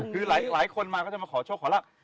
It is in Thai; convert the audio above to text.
คือหลายคนมาก็จะมาขอโชคขอลาบ